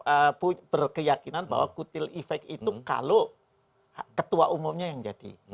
apa ingin berkeyakinan bahwa kotel efek itu kalau ketua umumnya yang jadi